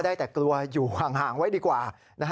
ได้แต่กลัวอยู่ห่างไว้ดีกว่า